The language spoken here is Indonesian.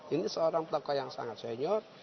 ini seorang tokoh yang sangat senior